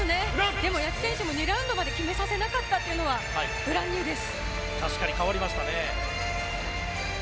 でも、矢地選手も２ラウンドまで決めさせなかったのはブランニューです。